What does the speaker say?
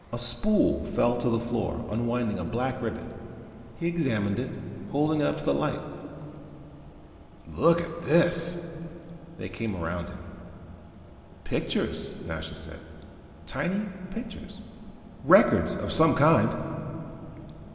A spool fell to the floor, unwinding a black ribbon. He examined it, holding it up to the light. "Look at this!" They came around him. "Pictures," Nasha said. "Tiny pictures." "Records of some kind."